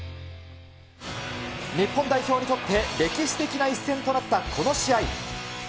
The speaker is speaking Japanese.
日本代表にとって、歴史的な一戦となったこの試合。